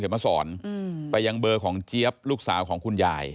มาสอนไปยังเบอร์ของเจี๊ยบลูกสาวของคุณยาย